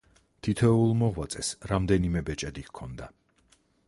თითოეულ მოღვაწეს რამდენიმე ბეჭედი ჰქონდა.